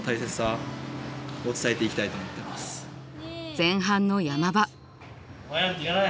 前半の山場。